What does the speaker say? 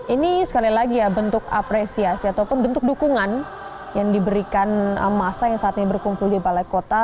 ini sekali lagi ya bentuk apresiasi ataupun bentuk dukungan yang diberikan masa yang saat ini berkumpul di balai kota